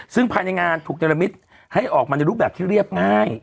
ซึ่งภายในงานถูกจริตให้ออกมาในรูปแบบที่เรียบง่าย